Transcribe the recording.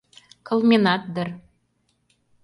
Кылменат дыр?